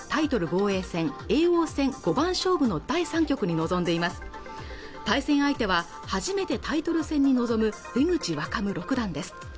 防衛戦叡王戦５番勝負の第３局に臨んでいます対戦相手は初めてタイトル戦に臨む出口若武６段です